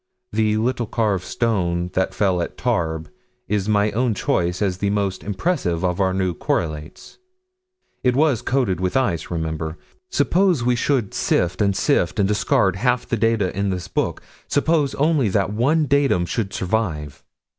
The little carved stone that fell at Tarbes is my own choice as the most impressive of our new correlates. It was coated with ice, remember. Suppose we should sift and sift and discard half the data in this book suppose only that one datum should survive.